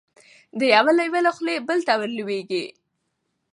د یوه لېوه له خولې بل ته ور لوېږي